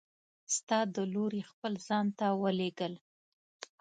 ستا د لورې خپل ځان ته ولیږل!